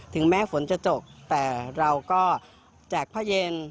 ถึงแม้ฝนจะตกแต่เราก็แจกผ้าเย็น